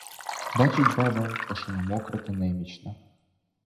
Бачить баба, пташина мокра та немічна.